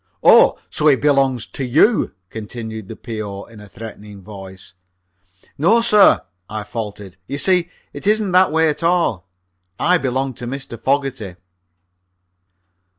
"Oh, so he belongs to you!" continued the P.O. in a threatening voice. "No, sir," I faltered; "you see, it isn't that way at all. I belong to Mr. Fogerty."